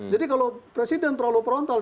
kalau presiden terlalu frontal